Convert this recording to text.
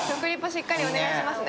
しっかりお願いしますね。